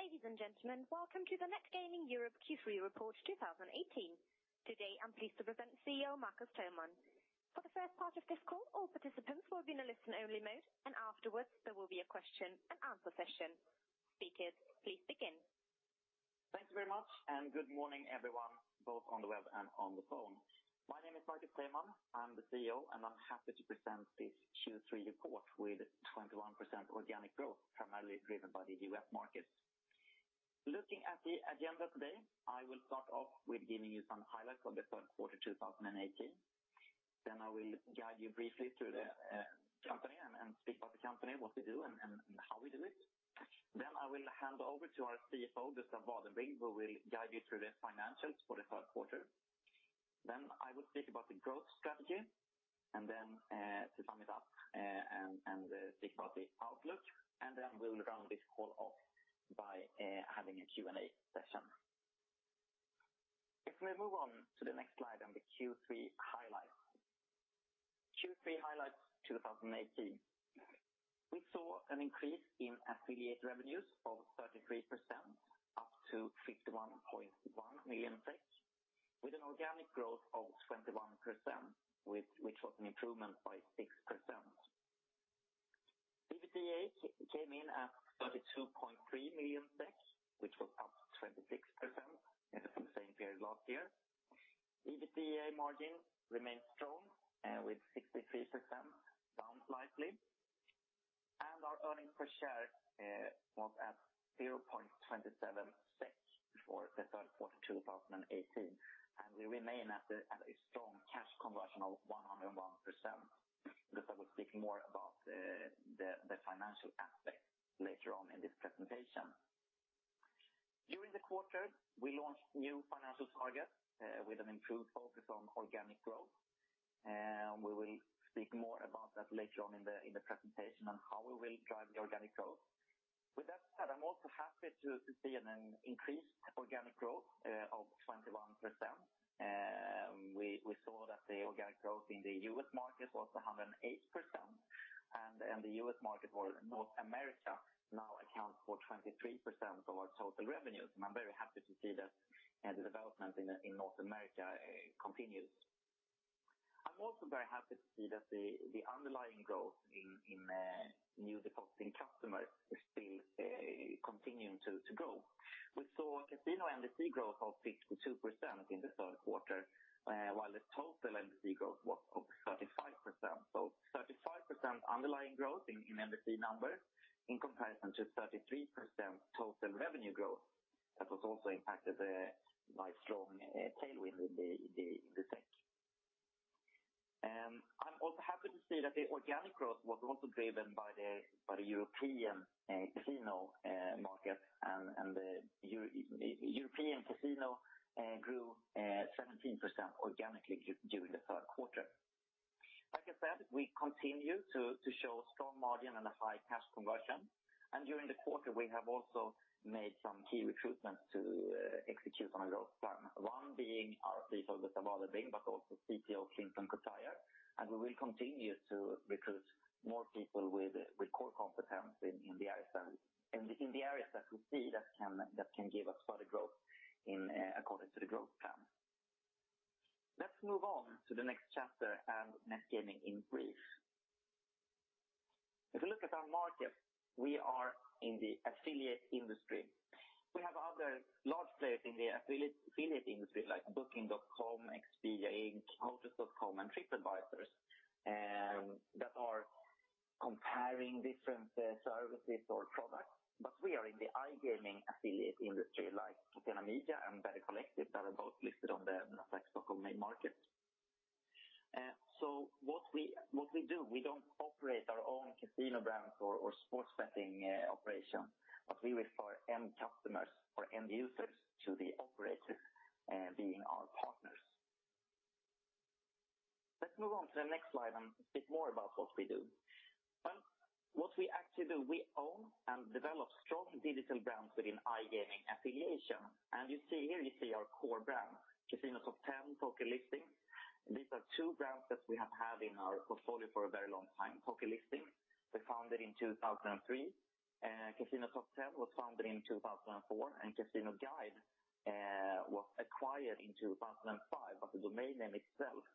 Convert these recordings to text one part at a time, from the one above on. Ladies and gentlemen, welcome to the Net Gaming Europe Q3 Report 2018. Today, I'm pleased to present CEO Marcus Teilman. For the first part of this call, all participants will be in a listen-only mode, and afterwards, there will be a question-and-answer session. Speakers, please begin. Thank you very much, and good morning, everyone, both on the web and on the phone. My name is Marcus Teilman. I'm the CEO, and I'm happy to present this Q3 report with 21% organic growth, primarily driven by the US markets. Looking at the agenda today, I will start off with giving you some highlights of the third quarter 2018. Then I will guide you briefly through the company and speak about the company, what we do, and how we do it. Then I will hand over to our CFO, Gustav Vadenbring, who will guide you through the financials for the third quarter. Then I will speak about the growth strategy, and then to sum it up and speak about the outlook. And then we'll round this call off by having a Q&A session. If we move on to the next slide and the Q3 highlights. Q3 highlights 2018. We saw an increase in affiliate revenues of 33%, up to 51.1 million SEK, with an organic growth of 21%, which was an improvement by 6%. EBITDA came in at 32.3 million SEK, which was up 26% from the same period last year. EBITDA margin remained strong with 63%, down slightly. And our earnings per share was at 0.27 SEK for the third quarter 2018, and we remain at a strong cash conversion of 101%. Gustav will speak more about the financial aspects later on in this presentation. During the quarter, we launched new financial targets with an improved focus on organic growth. We will speak more about that later on in the presentation and how we will drive the organic growth. With that said, I'm also happy to see an increased organic growth of 21%. We saw that the organic growth in the U.S. market was 108%, and the U.S. market, North America, now accounts for 23% of our total revenues. And I'm very happy to see that the development in North America continues. I'm also very happy to see that the underlying growth in new depositing customers is still continuing to grow. We saw casino NDC growth of 52% in the third quarter, while the total NDC growth was of 35%. So 35% underlying growth in NDC numbers in comparison to 33% total revenue growth that was also impacted by strong tailwind in the SEK. I'm also happy to see that the organic growth was also driven by the European casino market, and the European casino grew 17% organically during the third quarter. Like I said, we continue to show strong margin and a high cash conversion. During the quarter, we have also made some key recruitments to execute on a growth plan, one being our CEO, Gustav Vadenbring, but also CTO, Clinton Cutajar. We will continue to recruit more people with core competence in the areas that we see that can give us further growth according to the growth plan. Let's move on to the next chapter and Net Gaming in brief. If we look at our market, we are in the affiliate industry. We have other large players in the affiliate industry like Booking.com, Expedia Inc., Hotels.com, and TripAdvisor that are comparing different services or products. But we are in the iGaming affiliate industry like Catena Media and Better Collective that are both listed on the Nasdaq Stockholm main market. So what we do, we don't operate our own casino brands or sports betting operation, but we refer end customers or end users to the operators, being our partners. Let's move on to the next slide and speak more about what we do. What we actually do, we own and develop strong digital brands within iGaming affiliation. And you see here, you see our core brand, CasinoTop10, PokerListings. These are two brands that we have had in our portfolio for a very long time, PokerListings. We founded in 2003. CasinoTop10 was founded in 2004, and CasinoGuide was acquired in 2005, but the domain name itself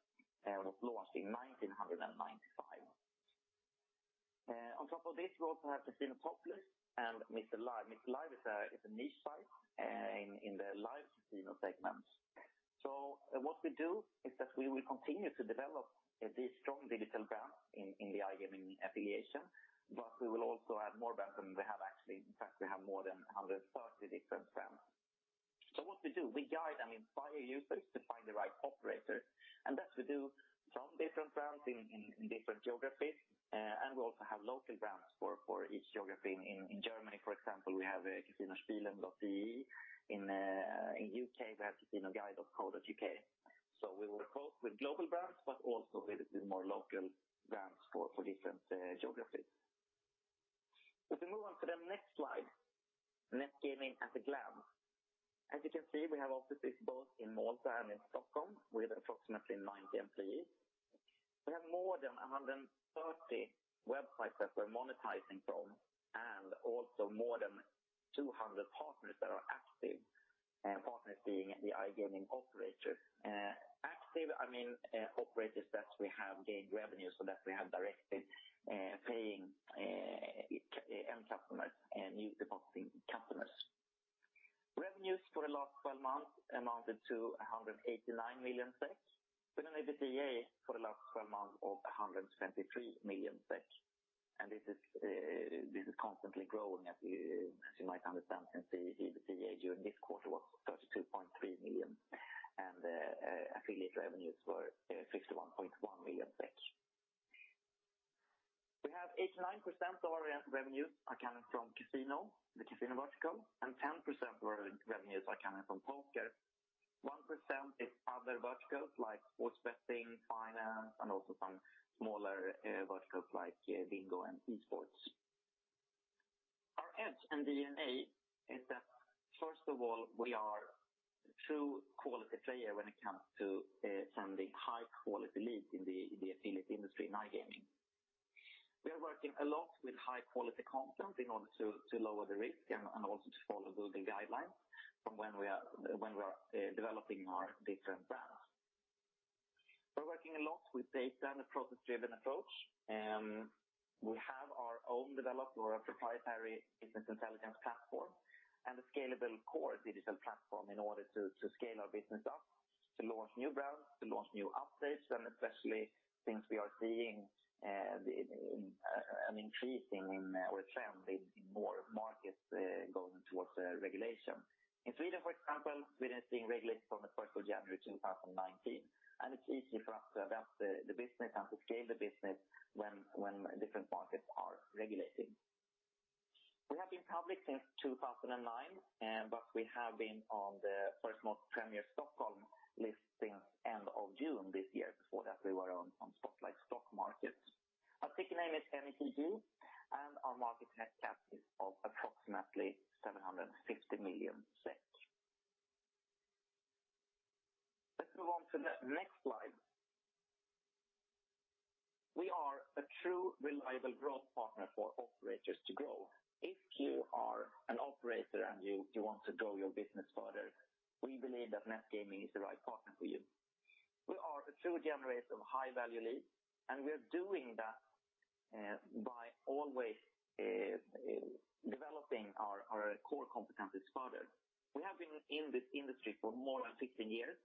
was launched in 1995. On top of this, we also have CasinoToplist and MrLive. MrLive is a niche site in the live casino segment. So what we do is that we will continue to develop these strong digital brands in the iGaming affiliation, but we will also add more brands than we have actually. In fact, we have more than 130 different brands. So what we do, we guide and inspire users to find the right operator. And that we do from different brands in different geographies. And we also have local brands for each geography. In Germany, for example, we have CasinoSpielen.de. In the UK, we have CasinoGuide.co.uk. So we will work both with global brands, but also with more local brands for different geographies. If we move on to the next slide, Net Gaming at a glance. As you can see, we have offices both in Malta and in Stockholm with approximately 90 employees. We have more than 130 websites that we're monetizing from and also more than 200 partners that are active, partners being the iGaming operators. Active, I mean operators that we have gained revenue so that we have directly paying end customers and new depositing customers. Revenues for the last 12 months amounted to 189 million SEK, with an EBITDA for the last 12 months of 123 million SEK. And this is constantly growing, as you might understand, since the EBITDA during this quarter was 32.3 million, and affiliate revenues were 51.1 million SEK. We have 89% of our revenues are coming from casino, the casino vertical, and 10% of our revenues are coming from poker. 1% is other verticals like sports betting, finance, and also some smaller verticals like bingo and esports. Our edge and DNA is that, first of all, we are a true quality player when it comes to sending high-quality leads in the affiliate industry in iGaming. We are working a lot with high-quality content in order to lower the risk and also to follow Google guidelines from when we are developing our different brands. We're working a lot with data and a process-driven approach. We have our own developed or proprietary business intelligence platform and a scalable core digital platform in order to scale our business up, to launch new brands, to launch new updates, and especially since we are seeing an increase in or a trend in more markets going towards regulation. In Sweden, for example, Sweden is being regulated from the 1st of January 2019, and it's easy for us to adapt the business and to scale the business when different markets are regulating. We have been public since 2009, but we have been on the First North Premier Stockholm list since the end of June this year. Before that we were on Spotlight Stock Market. Our ticker name is NETG, and our market cap is approximately SEK 750 million. Let's move on to the next slide. We are a true reliable growth partner for operators to grow. If you are an operator and you want to grow your business further, we believe that Net Gaming is the right partner for you. We are a true generator of high-value leads, and we are doing that by always developing our core competencies further. We have been in this industry for more than 15 years,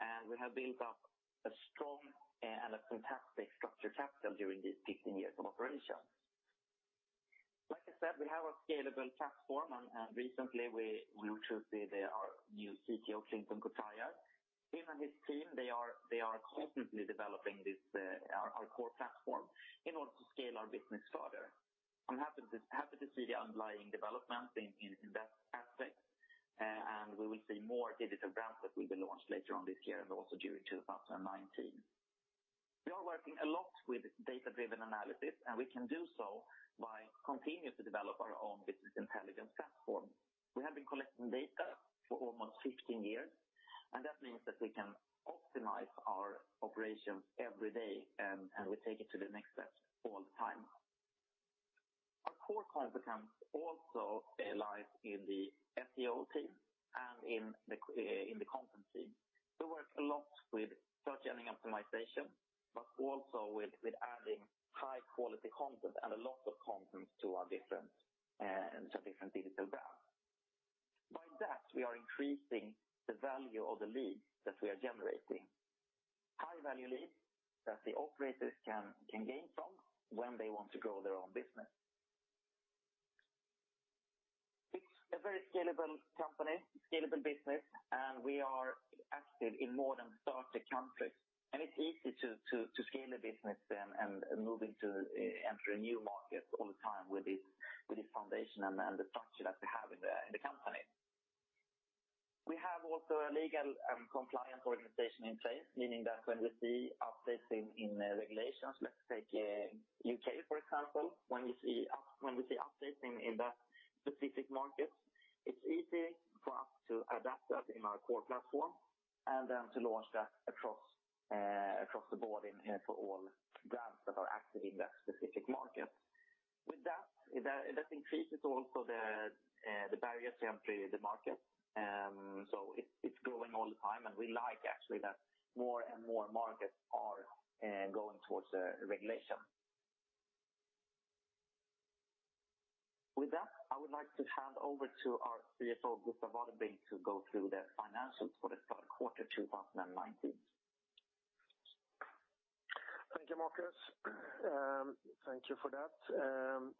and we have built up a strong and a fantastic structured capital during these 15 years of operation. Like I said, we have a scalable platform, and recently we introduced our new CTO, Clinton Cutajar. He and his team, they are constantly developing our core platform in order to scale our business further. I'm happy to see the underlying development in that aspect, and we will see more digital brands that will be launched later on this year and also during 2019. We are working a lot with data-driven analysis, and we can do so by continuing to develop our own business intelligence platform. We have been collecting data for almost 15 years, and that means that we can optimize our operations every day, and we take it to the next step all the time. Our core competence also lies in the SEO team and in the content team. We work a lot with search engine optimization, but also with adding high-quality content and a lot of content to our different digital brands. By that, we are increasing the value of the leads that we are generating, high-value leads that the operators can gain from when they want to grow their own business. It's a very scalable company, scalable business, and we are active in more than 30 countries, and it's easy to scale a business and move into entering new markets all the time with this foundation and the structure that we have in the company. We have also a legal and compliance organization in place, meaning that when we see updates in regulations, let's take the U.K., for example, when we see updates in that specific market, it's easy for us to adapt that in our core platform and then to launch that across the board for all brands that are active in that specific market. With that, that increases also the barriers to entry in the market. So it's growing all the time, and we like actually that more and more markets are going towards regulation. With that, I would like to hand over to our CFO, Gustav Vadenbring, to go through the financials for the third quarter 2019. Thank you, Marcus. Thank you for that.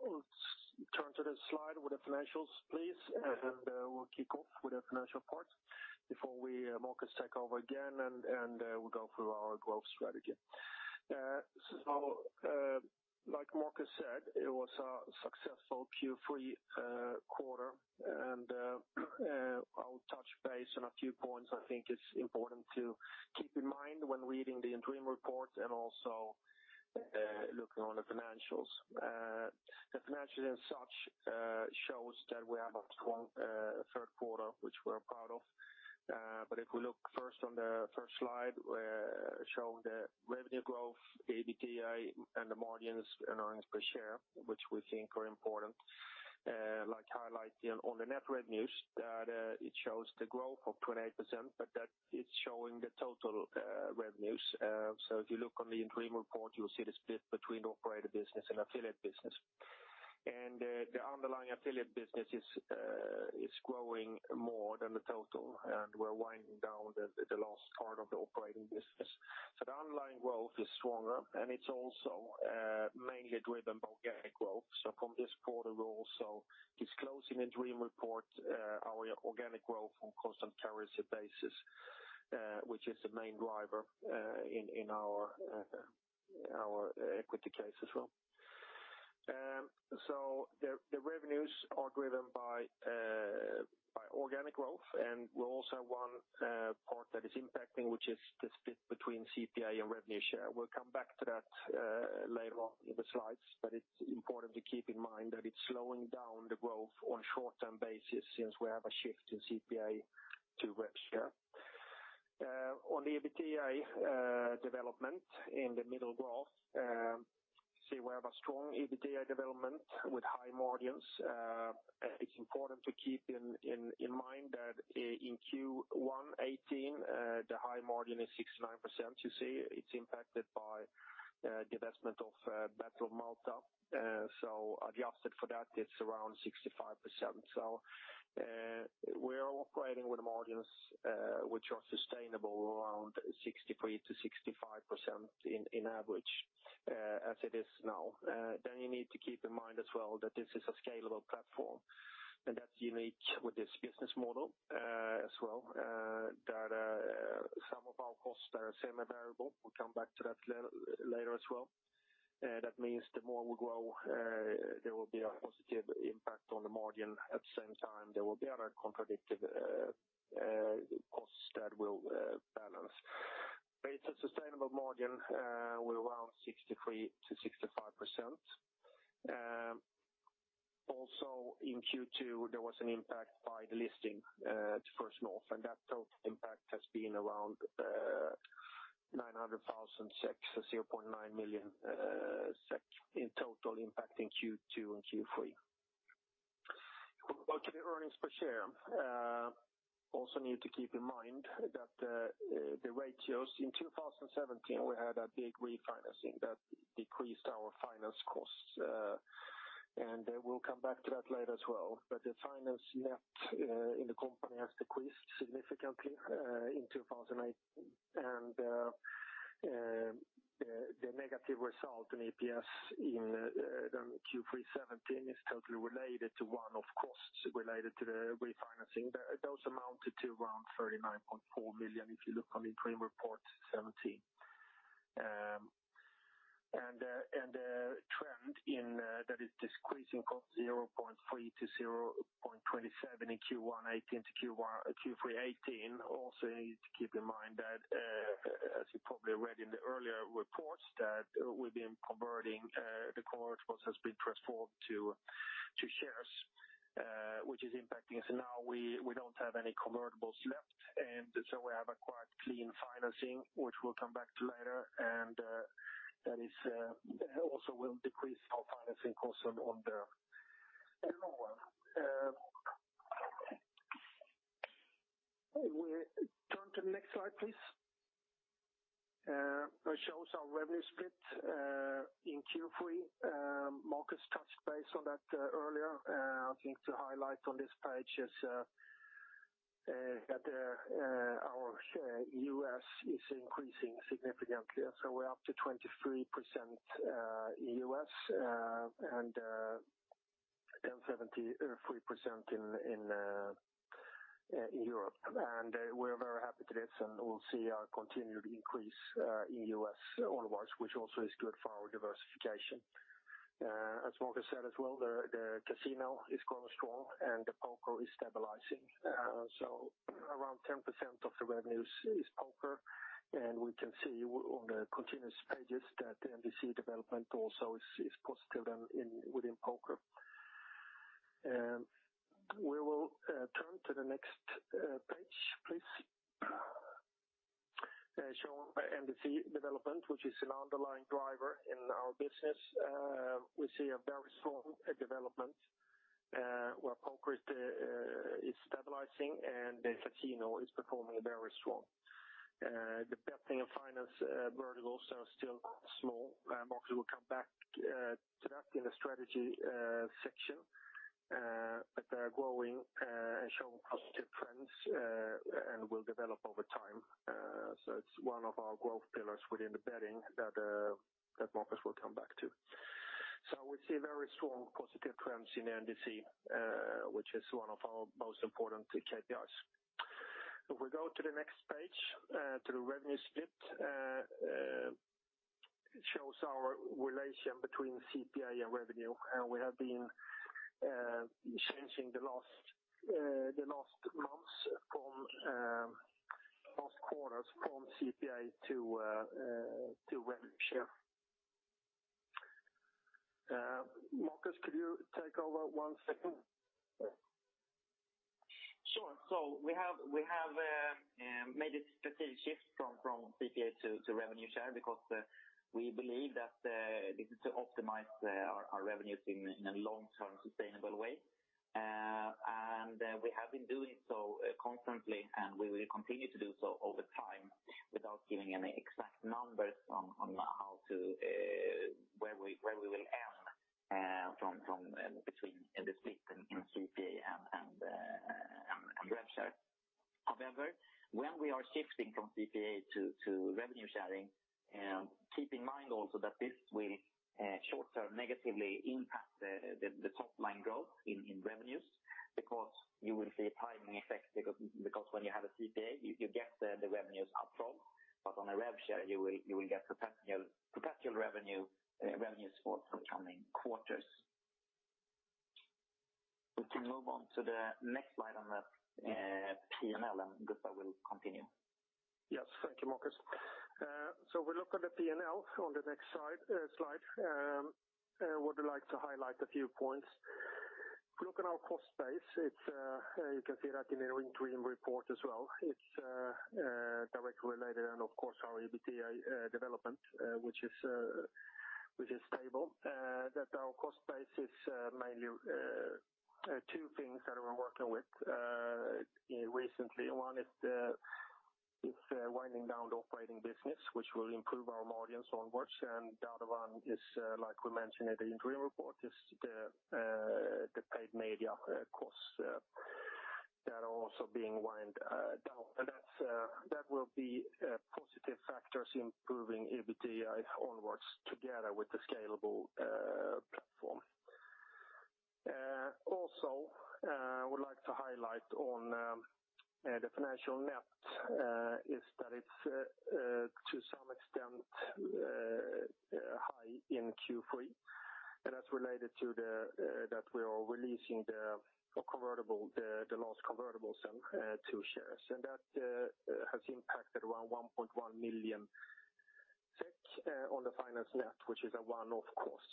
We'll turn to the slide with the financials, please, and we'll kick off with the financial part before Marcus takes over again and we go through our growth strategy, so like Marcus said, it was a successful Q3 quarter, and I'll touch base on a few points I think it's important to keep in mind when reading the interim report and also looking on the financials. The financials as such show that we have a strong third quarter, which we're proud of, but if we look first on the first slide showing the revenue growth, EBITDA, and the margins and earnings per share, which we think are important, like highlighting on the net revenues that it shows the growth of 28%, but that it's showing the total revenues, so if you look on the interim report, you'll see the split between the operator business and affiliate business. And the underlying affiliate business is growing more than the total, and we're winding down the last part of the operating business, so the underlying growth is stronger, and it's also mainly driven by organic growth, so from this quarter, we're also disclosing in the interim report our organic growth on a constant currency basis, which is the main driver in our equity case as well, so the revenues are driven by organic growth, and we also have one part that is impacting, which is the split between CPA and revenue share. We'll come back to that later on in the slides, but it's important to keep in mind that it's slowing down the growth on a short-term basis since we have a shift in CPA to revenue share. On the EBITDA development in the middle graph, you see we have a strong EBITDA development with high margins. It's important to keep in mind that in Q1 2018, the high margin is 69%. You see it's impacted by the investment of Battle of Malta. So adjusted for that, it's around 65%. So we are operating with margins which are sustainable around 63%-65% in average as it is now. Then you need to keep in mind as well that this is a scalable platform, and that's unique with this business model as well that some of our costs are semi-variable. We'll come back to that later as well. That means the more we grow, there will be a positive impact on the margin. At the same time, there will be other contradictive costs that will balance. But it's a sustainable margin with around 63%-65%. Also, in Q2, there was an impact by the listing to First North, and that total impact has been around 900,000 SEK, so 0.9 million SEK in total impact in Q2 and Q3. We'll go to the earnings per share. Also need to keep in mind that the ratios in 2017, we had a big refinancing that decreased our finance costs, and we'll come back to that later as well. But the finance net in the company has decreased significantly in 2018, and the negative result in EPS in Q3 2017 is totally related to one of costs related to the refinancing. Those amounted to around 39.4 million SEK if you look on the interim report 2017. The trend that is decreasing from 0.3 to 0.27 in Q1 2018 to Q3 2018. Also, you need to keep in mind that, as you probably read in the earlier reports, that we've been converting the convertibles has been transformed to shares, which is impacting. So now we don't have any convertibles left, and so we have a quite clean financing, which we'll come back to later, and that also will decrease our financing costs on the long run. We turn to the next slide, please. It shows our revenue split in Q3. Marcus touched base on that earlier. I think the highlight on this page is that our US is increasing significantly. So we're up to 23% in US and 73% in Europe. We're very happy to this, and we'll see our continued increase in US, all of ours, which also is good for our diversification. As Marcus said as well, the casino is growing strong, and the poker is stabilizing, so around 10% of the revenues is poker, and we can see on the continuous pages that the NDC development also is positive within poker. We will turn to the next page, please. Showing NDC development, which is an underlying driver in our business. We see a very strong development where poker is stabilizing and the casino is performing very strong. The betting and finance verticals are still small. Marcus will come back to that in the strategy section, but they're growing and showing positive trends and will develop over time, so it's one of our growth pillars within the betting that Marcus will come back to, so we see very strong positive trends in NDC, which is one of our most important KPIs. If we go to the next page, to the revenue split, it shows our relation between CPA and revenue. We have been changing the last months from last quarters from CPA to revenue share. Marcus, could you take over one second? Sure. So we have made a strategic shift from CPA to revenue share because we believe that this is to optimize our revenues in a long-term sustainable way. And we have been doing so constantly, and we will continue to do so over time without giving any exact numbers on where we will end between the split in CPA and revenue share. However, when we are shifting from CPA to revenue sharing, keep in mind also that this will short-term negatively impact the top-line growth in revenues because you will see a timing effect because when you have a CPA, you get the revenues upfront, but on a revenue share, you will get perpetual revenues for the coming quarters. We can move on to the next slide on the P&L, and Gustav will continue. Yes, thank you, Marcus. So we look at the P&L on the next slide. I would like to highlight a few points. If we look on our cost base, you can see that in the interim report as well. It's directly related, and of course, our EBITDA development, which is stable. That our cost base is mainly two things that we're working with recently. One is winding down the operating business, which will improve our margins onwards. The other one is, like we mentioned in the interim report, is the paid media costs that are also being wind down. That will be positive factors improving EBITDA onwards together with the scalable platform. Also, I would like to highlight on the financial net is that it's to some extent high in Q3, and that's related to that we are releasing the last convertibles and two shares. That has impacted around 1.1 million on the financial net, which is a one-off cost.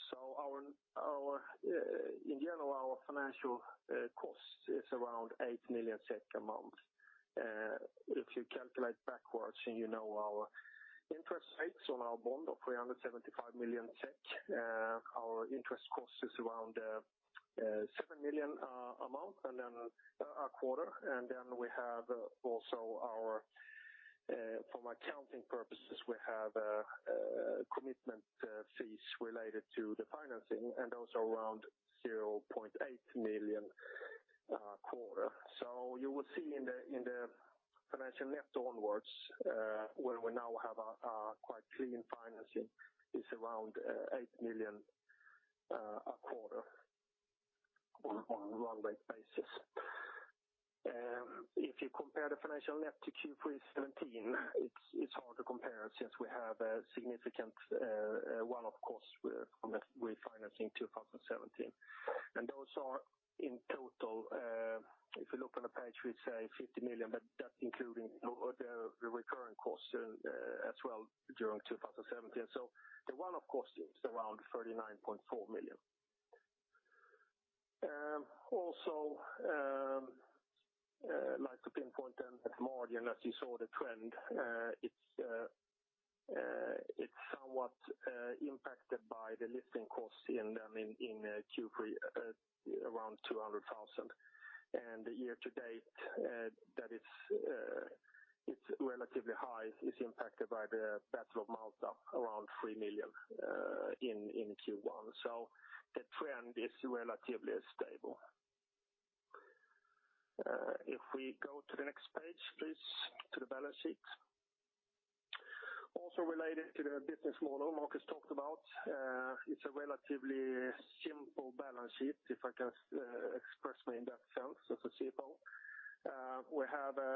In general, our financial cost is around 8 million a month. If you calculate backwards and you know our interest rates on our bond of 375 million SEK, our interest cost is around 7 million a quarter. And then we have also, from accounting purposes, we have commitment fees related to the financing, and those are around 0.8 million a quarter. So you will see in the financial net onwards, where we now have a quite clean financing, is around 8 million a quarter on a run-rate basis. If you compare the financial net to Q3 2017, it's hard to compare since we have a significant one-off cost with financing 2017. And those are in total, if you look on the page, we'd say 50 million, but that's including the recurring costs as well during 2017. So the one-off cost is around 39.4 million. Also, I'd like to pinpoint then at the margin, as you saw the trend, it's somewhat impacted by the listing costs in Q3, around 200,000. And the year-to-date that it's relatively high is impacted by the Battle of Malta, around 3 million in Q1. So the trend is relatively stable. If we go to the next page, please, to the balance sheet. Also related to the business model Marcus talked about, it's a relatively simple balance sheet, if I can express myself in that sense as a CFO.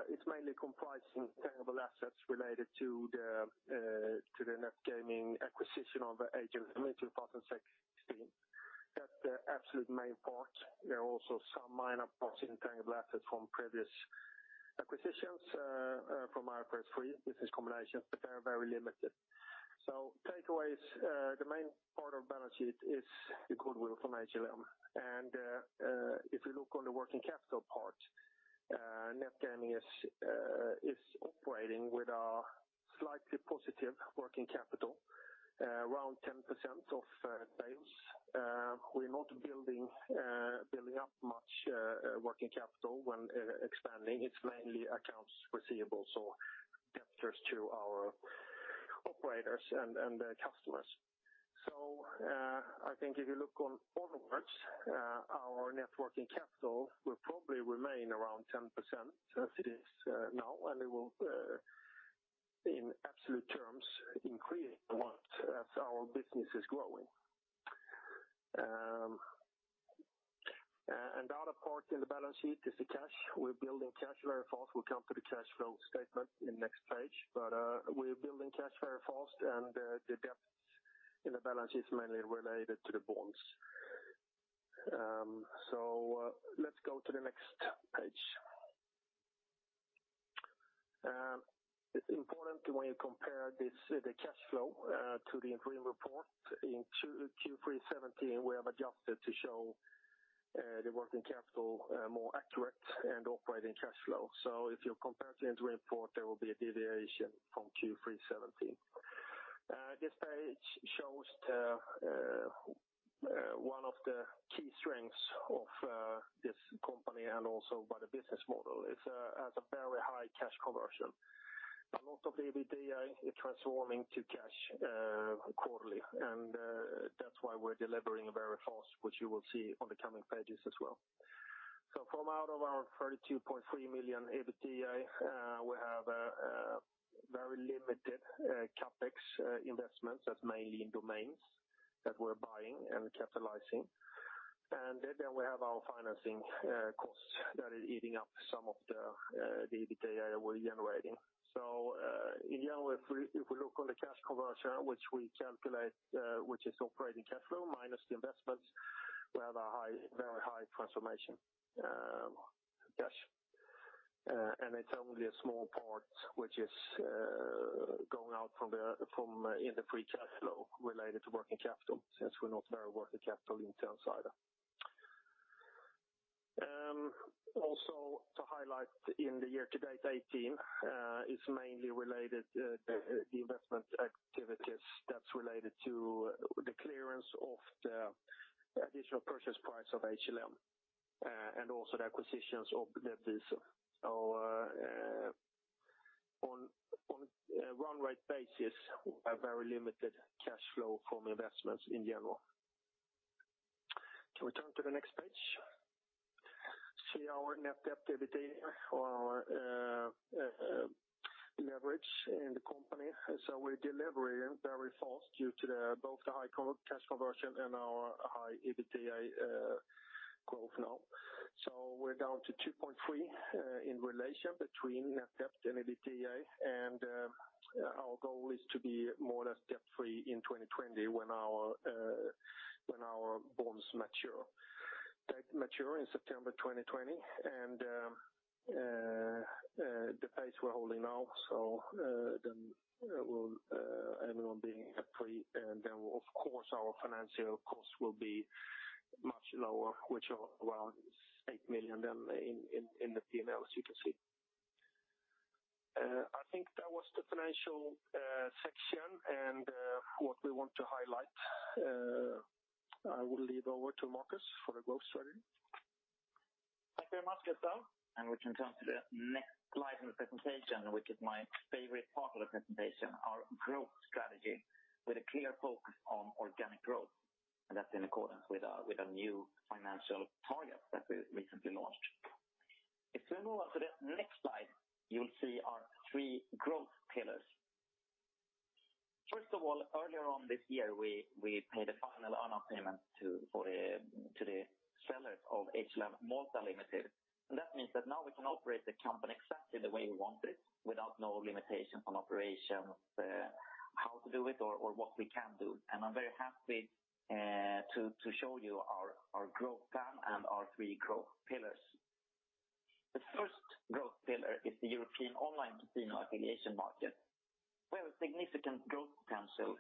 It's mainly comprising tangible assets related to the Net Gaming acquisition of Agent M 2016. That's the absolute main part. There are also some minor parts in tangible assets from previous acquisitions from our first three business combinations, but they're very limited. So takeaways, the main part of the balance sheet is the goodwill from Agent M. And if you look on the working capital part, Net Gaming is operating with a slightly positive working capital, around 10% of sales. We're not building up much working capital when expanding. It's mainly accounts receivable, so debtors to our operators and customers, so I think if you look onwards, our net working capital will probably remain around 10% as it is now, and it will, in absolute terms, increase as our business is growing, and the other part in the balance sheet is the cash. We're building cash very fast. We'll come to the cash flow statement in the next page, but we're building cash very fast, and the debt in the balance sheet is mainly related to the bonds, so let's go to the next page. It's important when you compare the cash flow to the interim report. In Q3 2017, we have adjusted to show the working capital more accurate and operating cash flow, so if you compare to the interim report, there will be a deviation from Q3 2017. This page shows one of the key strengths of this company and also by the business model. It has a very high cash conversion. A lot of the EBITDA is transforming to cash quarterly, and that's why we're delivering very fast, which you will see on the coming pages as well, so from out of our 32.3 million EBITDA, we have very limited CapEx investments that's mainly in domains that we're buying and capitalizing, and then we have our financing costs that are eating up some of the EBITDA that we're generating, so in general, if we look on the cash conversion, which we calculate, which is operating cash flow minus the investments, we have a very high transformation cash. It's only a small part, which is going out from the free cash flow related to working capital since we're not very working capital intents either. Also, to highlight in the year-to-date 2018, it's mainly related to the investment activities that's related to the clearance of the additional purchase price of Agent M. And also the acquisitions of Webpromo. So on a run-rate basis, we have very limited cash flow from investments in general. Can we turn to the next page? See, our net debt leverage in the company. So we're deleveraging very fast due to both the high cash conversion and our high EBITDA growth now. So we're down to 2.3 in relation between net debt and EBITDA, and our goal is to be more or less debt-free in 2020 when our bonds mature. They mature in September 2020, and the pace we're holding now. Then we'll end up being debt-free, and then of course our financial costs will be much lower, which are around 8 million as in the P&L, as you can see. I think that was the financial section and what we want to highlight. I will hand over to Marcus for the growth strategy. Thank you very much, Gustav. We can turn to the next slide in the presentation, which is my favorite part of the presentation, our growth strategy with a clear focus on organic growth. That's in accordance with our new financial target that we recently launched. If we move on to the next slide, you will see our three growth pillars. First of all, earlier this year, we paid a final earn-out payment to the sellers of Agent M Malta Limited. That means that now we can operate the company exactly the way we want it without no limitations on operations, how to do it, or what we can do. I'm very happy to show you our growth plan and our three growth pillars. The first growth pillar is the European online casino affiliation market. We have a significant growth potential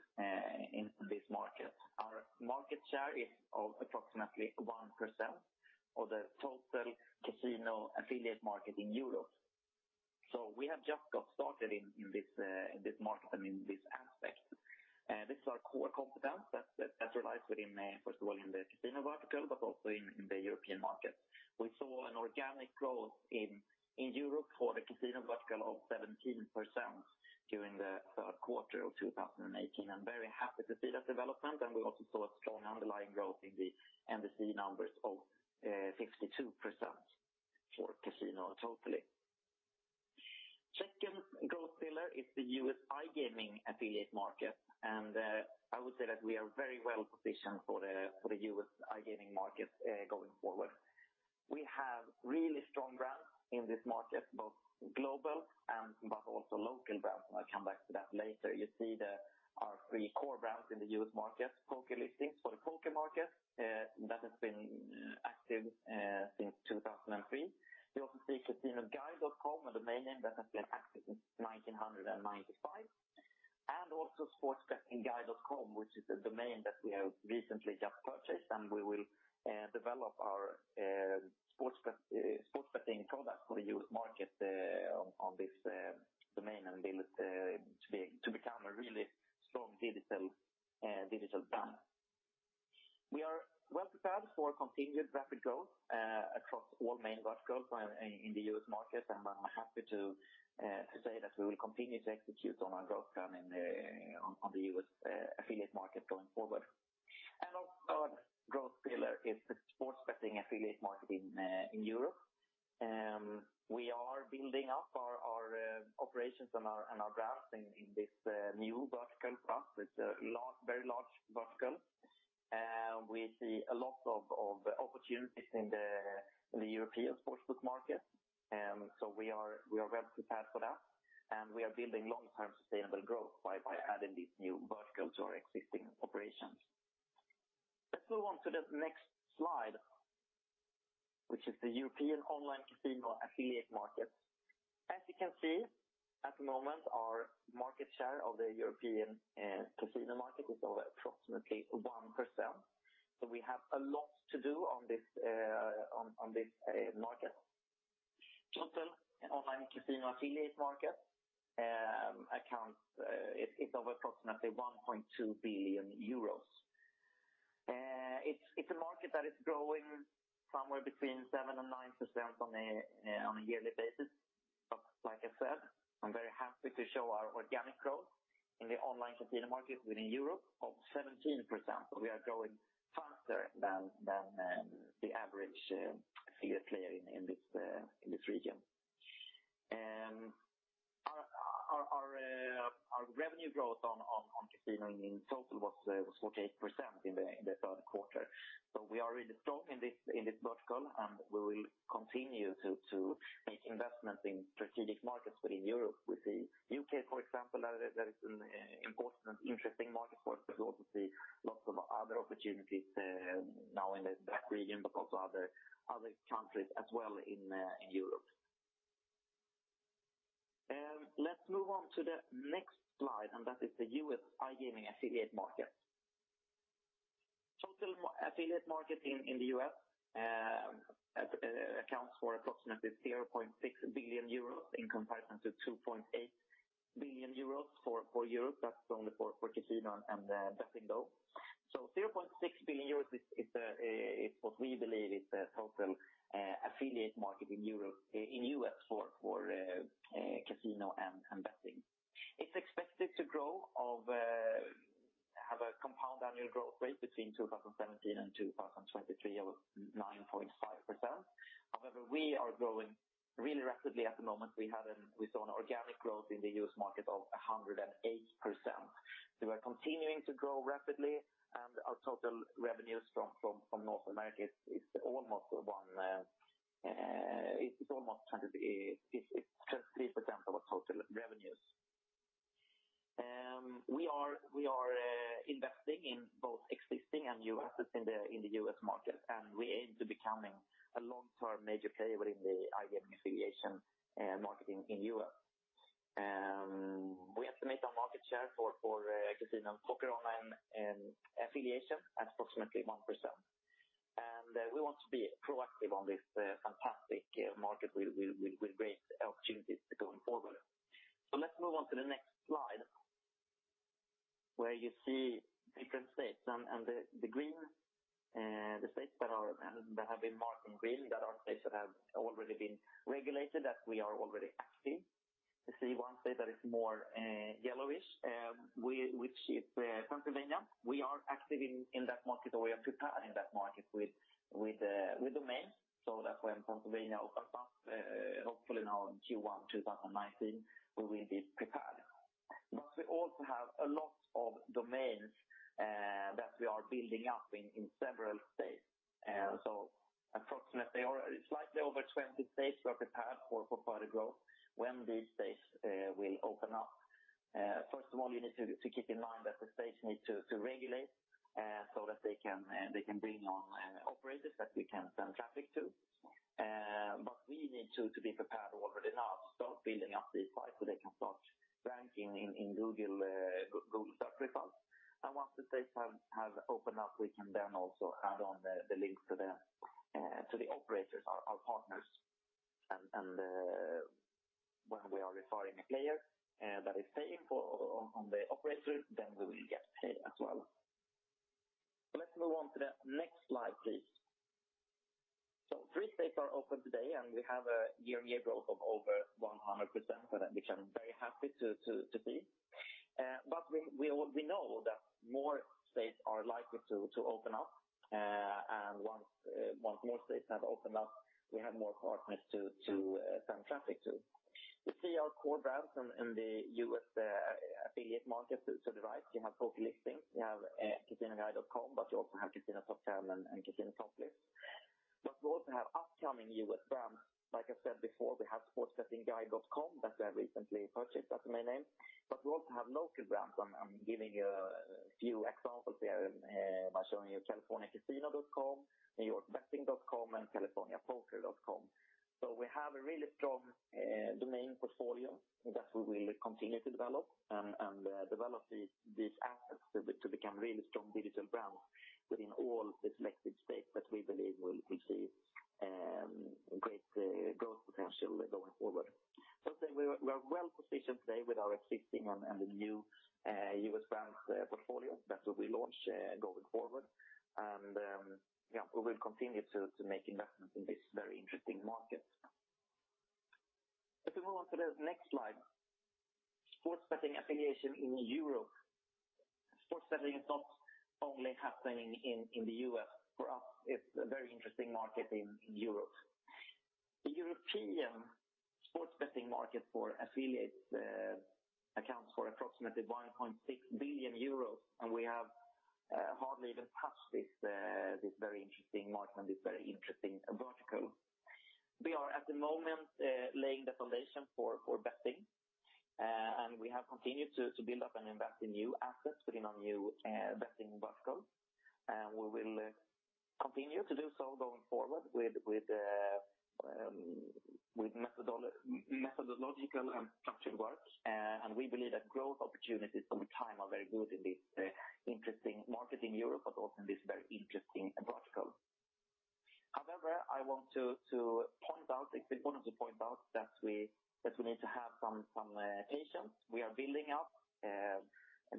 in this market. Our market share is of approximately 1% of the total casino affiliate market in Europe. So we have just got started in this market and in this aspect. This is our core competence that relies within, first of all, in the casino vertical, but also in the European market. We saw an organic growth in Europe for the casino vertical of 17% during the third quarter of 2018. I'm very happy to see that development, and we also saw a strong underlying growth in the NDC numbers of 52% for casino totally. Second growth pillar is the U.S. iGaming affiliate market, and I would say that we are very well positioned for the U.S. iGaming market going forward. We have really strong brands in this market, both global and also local brands, and I'll come back to that later. You see our three core brands in the U.S. market: PokerListings for the poker market that has been active since 2003. We also see CasinoGuide.com, a domain name that has been active since 1995. And also SportsbettingGuide.com, which is a domain that we have recently just purchased, and we will develop our sports betting product for the U.S. market on this domain and build it to become a really strong digital brand. We are well prepared for continued rapid growth across all main verticals in the US market, and I'm happy to say that we will continue to execute on our growth plan on the US affiliate market going forward, and our growth pillar is the sports betting affiliate market in Europe. We are building up our operations and our brands in this new vertical class. It's a very large vertical. We see a lot of opportunities in the European sports book market, so we are well prepared for that, and we are building long-term sustainable growth by adding this new vertical to our existing operations. Let's move on to the next slide, which is the European online casino affiliate market. As you can see, at the moment, our market share of the European casino market is of approximately 1%, so we have a lot to do on this market. Total online casino affiliate market accounts is of approximately 1.2 billion euros. It's a market that is growing somewhere between 7% and 9% on a yearly basis. But like I said, I'm very happy to show our organic growth in the online casino market within Europe of 17%. So we are growing faster than the average casino player in this region. Our revenue growth on casino in total was 48% in the third quarter. So we are really strong in this vertical, and we will continue to make investments in strategic markets within Europe. We see the UK, for example, that is an important and interesting market for us. We also see lots of other opportunities now in the region, but also other countries as well in Europe. Let's move on to the next slide, and that is the U.S. iGaming affiliate market. Total affiliate market in the U.S. accounts for approximately 0.6 billion euros in comparison to 2.8 billion euros for Europe. That's only for casino and betting, though. So 0.6 billion euros is what we believe is the total affiliate market in Europe for casino and betting. It's expected to grow, have a compound annual growth rate between 2017 and 2023 of 9.5%. However, we are growing really rapidly at the moment. We saw an organic growth in the US market of 108%. So we are continuing to grow rapidly, and our total revenues from North America is almost 23% of our total revenues. We are investing in both existing and new assets in the US market, and we aim to becoming a long-term major player within the iGaming affiliation market in Europe. We estimate our market share for casino and poker online affiliation at approximately 1%. We want to be proactive on this fantastic market with great opportunities going forward. Let's move on to the next slide, where you see different states. The green states that have been marked in green that are states that have already been regulated, that we are already active. You see one state that is more yellowish, which is Pennsylvania. We are active in that market. We are preparing that market with domains. That's why Pennsylvania opened up. Hopefully now in Q1 2019, we will be prepared. But we also have a lot of domains that we are building up in several states. Approximately slightly over 20 states we are prepared for further growth when these states will open up. First of all, you need to keep in mind that the states need to regulate so that they can bring on operators that we can send traffic to. But we need to be prepared already now to start building up these sites so they can start ranking in Google search results. And once the states have opened up, we can then also add on the links to the operators, our partners. And when we are referring a player that is paying for the operator, then we will get paid as well. Let's move on to the next slide, please. So three states are open today, and we have a year-on-year growth of over 100%, which I'm very happy to see. But we know that more states are likely to open up, and once more states have opened up, we have more partners to send traffic to. We see our core brands in the U.S. affiliate market to the right. You have PokerListings. You have CasinoGuide.com, but you also have CasinoTop10 and CasinoToplists. But we also have upcoming U.S. brands. Like I said before, we have SportsbettingGuide.com that we have recently purchased as a main name. But we also have local brands. I'm giving you a few examples here by showing you CaliforniaCasino.com, NewYorkBetting.com, and CaliforniaPoker.com. So we have a really strong domain portfolio that we will continue to develop and develop these assets to become really strong digital brands within all the selected states that we believe will see great growth potential going forward. So we are well positioned today with our existing and the new U.S. brand portfolio that we will launch going forward. And we will continue to make investments in this very interesting market. If we move on to the next slide, sports betting affiliation in Europe. Sports betting is not only happening in the U.S. For us, it's a very interesting market in Europe. The European sports betting market for affiliates accounts for approximately 1.6 billion euros, and we have hardly even touched this very interesting market and this very interesting vertical. We are at the moment laying the foundation for betting, and we have continued to build up and invest in new assets within our new betting vertical. And we will continue to do so going forward with methodological and structured work. And we believe that growth opportunities over time are very good in this interesting market in Europe, but also in this very interesting vertical. However, I want to point out, I wanted to point out that we need to have some patience. We are building up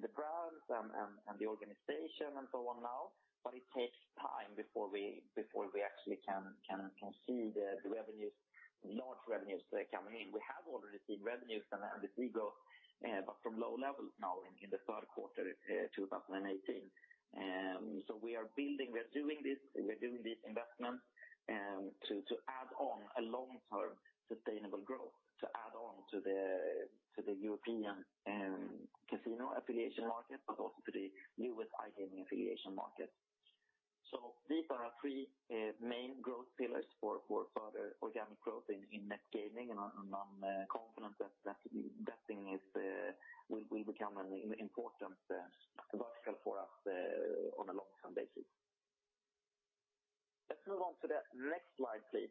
the brands and the organization and so on now, but it takes time before we actually can see the large revenues coming in. We have already seen revenues and the CAGR, but from low levels now in the third quarter 2018. So we are building, we are doing this, we are doing these investments to add on a long-term sustainable growth, to add on to the European casino affiliation market, but also to the U.S. iGaming affiliation market. So these are our three main growth pillars for further organic growth in Net Gaming and on. Confident that betting will become an important vertical for us on a long-term basis. Let's move on to the next slide, please.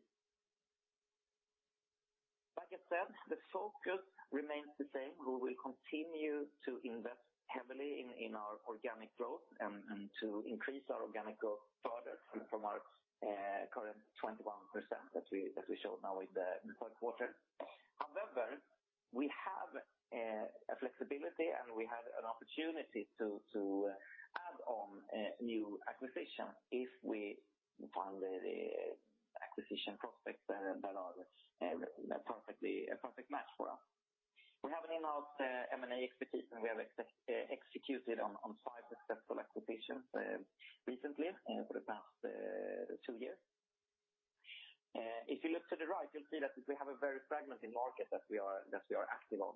Like I said, the focus remains the same. We will continue to invest heavily in our organic growth and to increase our organic growth further from our current 21% that we showed now in the third quarter. However, we have a flexibility, and we have an opportunity to add on new acquisitions if we find the acquisition prospects that are a perfect match for us. We have an in-house M&A expertise, and we have executed on five successful acquisitions recently for the past two years. If you look to the right, you'll see that we have a very fragmented market that we are active on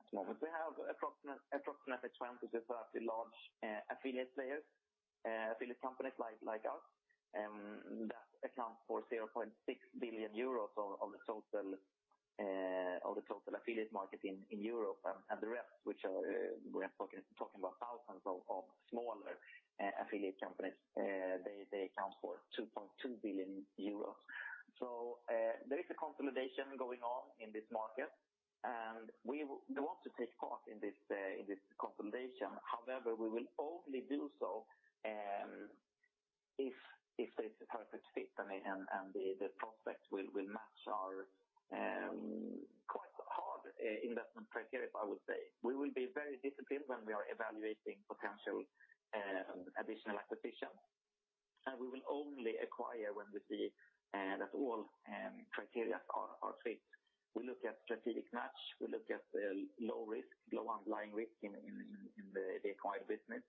at the moment. We have approximately 20 to 30 large affiliate players, affiliate companies like us, that account for 0.6 billion euros of the total affiliate market in Europe. And the rest, which we are talking about thousands of smaller affiliate companies, they account for 2.2 billion euros. So there is a consolidation going on in this market, and we want to take part in this consolidation. However, we will only do so if there is a perfect fit, and the prospects will match our quite hard investment criteria, I would say. We will be very disciplined when we are evaluating potential additional acquisitions, and we will only acquire when we see that all criteria are fit. We look at strategic match. We look at low risk, low underlying risk in the acquired business.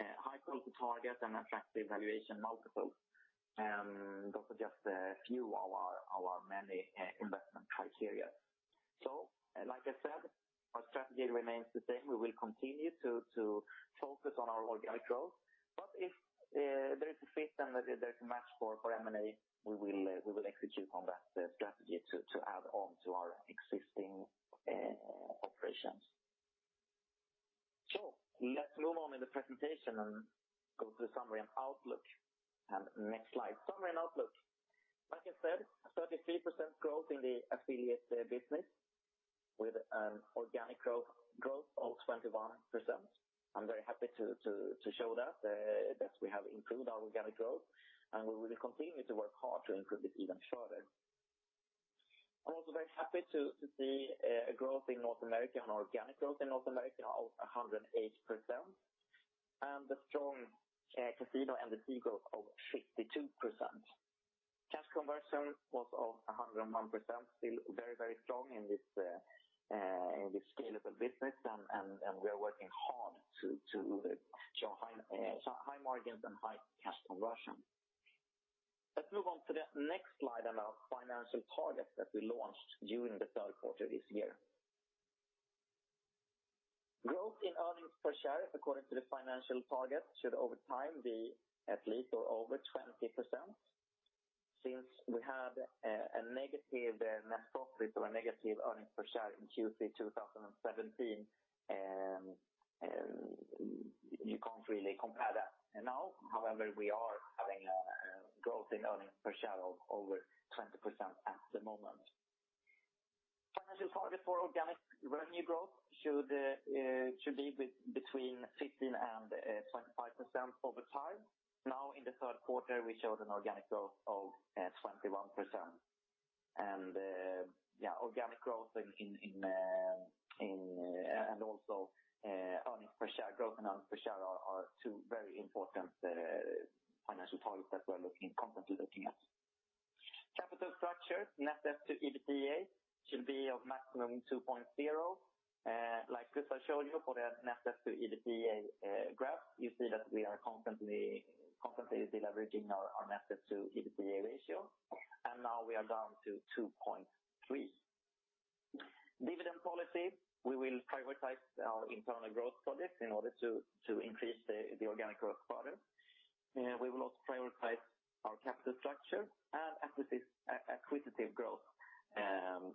High-quality targets and attractive valuation multiples are just a few of our many investment criteria. So like I said, our strategy remains the same. We will continue to focus on our organic growth. But if there is a fit and there is a match for M&A, we will execute on that strategy to add on to our existing operations. So let's move on in the presentation and go to the summary and outlook. And next slide. Summary and outlook. Like I said, 33% growth in the affiliate business with an organic growth of 21%. I'm very happy to show that we have improved our organic growth, and we will continue to work hard to improve it even further. I'm also very happy to see growth in North America and organic growth in North America of 108% and a strong casino and SEO growth of 52%. Cash conversion was of 101%, still very, very strong in this scalable business, and we are working hard to show high margins and high cash conversion. Let's move on to the next slide about financial targets that we launched during the third quarter this year. Growth in earnings per share according to the financial targets should over time be at least or over 20%. Since we had a negative net profit or a negative earnings per share in Q3 2017, you can't really compare that now. However, we are having a growth in earnings per share of over 20% at the moment. Financial targets for organic revenue growth should be between 15% and 25% over time. Now, in the third quarter, we showed an organic growth of 21%. Yeah, organic growth and also earnings per share, growth in earnings per share, are two very important financial targets that we are constantly looking at. Capital structure, net assets to EBITDA should be of maximum 2.0. Like just I showed you for the net assets to EBITDA graph, you see that we are constantly delivering our net assets to EBITDA ratio, and now we are down to 2.3. Dividend policy, we will prioritize our internal growth projects in order to increase the organic growth further. We will also prioritize our capital structure and acquisitive growth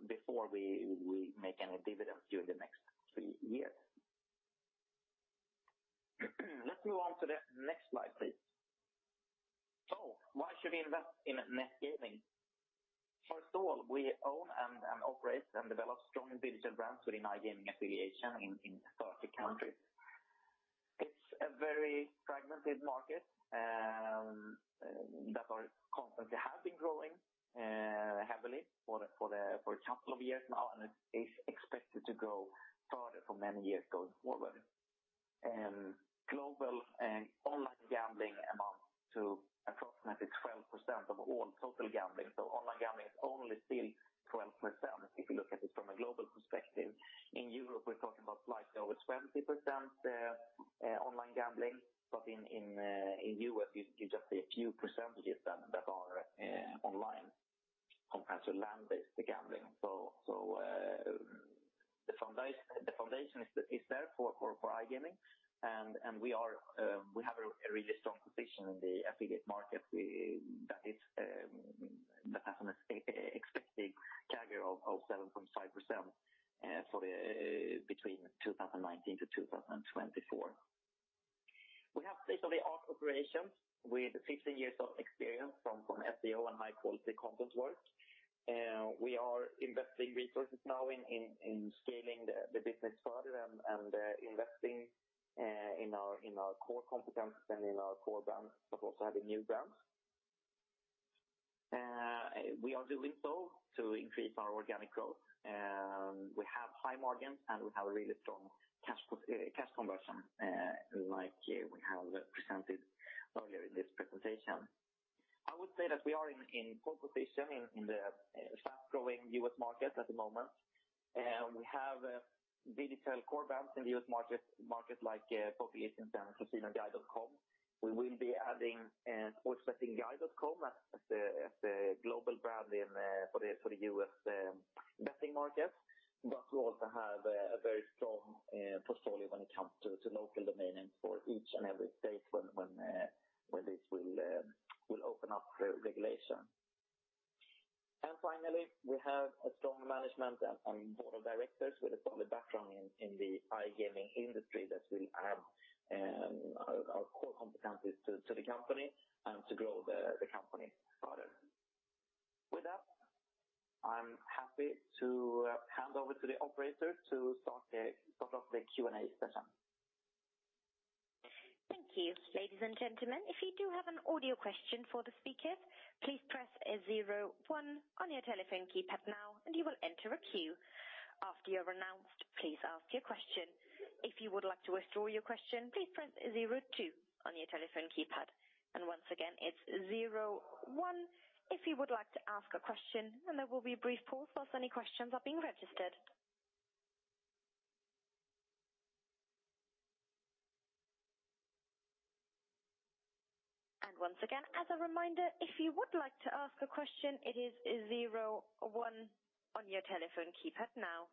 before we make any dividends during the next three years. Let's move on to the next slide, please. So why should we invest in Net Gaming? First of all, we own and operate and develop strong digital brands within iGaming affiliate in 30 countries. It's a very fragmented market that constantly has been growing heavily for a couple of years now, and it is expected to grow further for many years going forward. Global online gambling amounts to approximately 12% of all total gambling. Online gambling is only still 12% if you look at it from a global perspective. In Europe, we're talking about slightly over 20% online gambling, but in the US, you just see a few percentages that are online compared to land-based gambling. The foundation is there for iGaming, and we have a really strong position in the affiliate market that has an expected CAGR of 7.5% between 2019 to 2024. We have basically our operations with 15 years of experience from SEO and high-quality content work. We are investing resources now in scaling the business further and investing in our core competencies and in our core brands, but also having new brands. We are doing so to increase our organic growth. We have high margins, and we have a really strong cash conversion, like we have presented earlier in this presentation. I would say that we are in pole position in the fast-growing U.S. market at the moment. We have digital core brands in the U.S. market like PokerListings and CasinoGuide.com. We will be adding SportsbettingGuide.com as a global brand for the U.S. betting market, but we also have a very strong portfolio when it comes to local domain names for each and every state when this will open up regulation. And finally, we have a strong management and board of directors with a solid background in the iGaming industry that will add our core competencies to the company and to grow the company further. With that, I'm happy to hand over to the operators to start off the Q&A session. Thank you, ladies and gentlemen. If you do have an audio question for the speakers, please press zero one on your telephone keypad now, and you will enter a queue. After you're announced, please ask your question. If you would like to withdraw your question, please press zero two on your telephone keypad. And once again, it's zero one if you would like to ask a question, and there will be a brief pause while any questions are being registered. And once again, as a reminder, if you would like to ask a question, it is 01 on your telephone keypad now.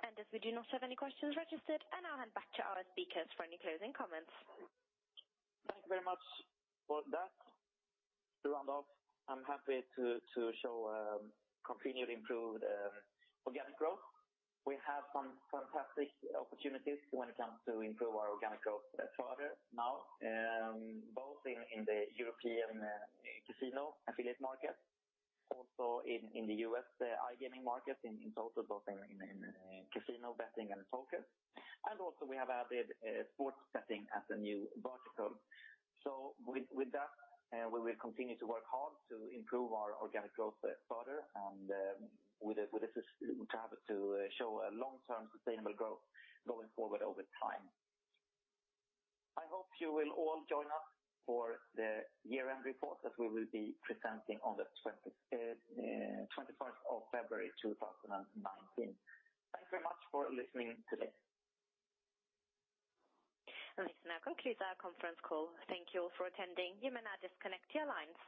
And as we do not have any questions registered, I'll hand back to our speakers for any closing comments. Thank you very much for that. To round off, I'm happy to show continued improved organic growth. We have some fantastic opportunities when it comes to improve our organic growth further now, both in the European casino affiliate market, also in the U.S. iGaming market in total, both in casino betting and poker. And also, we have added sports betting as a new vertical. So with that, we will continue to work hard to improve our organic growth further and with a drive to show a long-term sustainable growth going forward over time. I hope you will all join us for the year-end report that we will be presenting on the 21st of February 2019. Thank you very much for listening today. This now concludes our conference call. Thank you all for attending. You may now disconnect your lines.